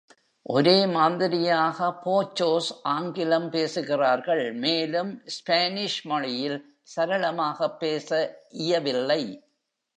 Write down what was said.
ஒரே மாதிரியாக, pochos ஆங்கிலம் பேசுகிறார்கள் மேலும் ஸ்பானிஷ் மொழியில் சரளமாக பேச இயவில்லை.